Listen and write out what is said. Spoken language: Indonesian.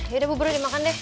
yaudah bubur dimakan deh